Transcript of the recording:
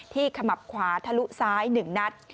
ขมับขวาทะลุซ้าย๑นัด